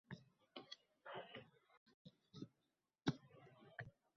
Bu ne chirkin g‘urur, tiyiqsiz havo